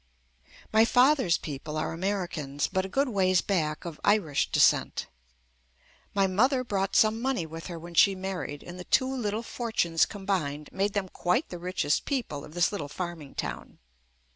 My father's people are Americans but a good ways back of Irish descent. My mother brought some money with her when she mar ried, and the two little fortunes combined made them quite the richest people of this little farm ing town.